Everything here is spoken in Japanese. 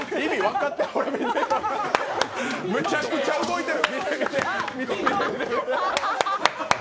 めちゃくちゃ動いている。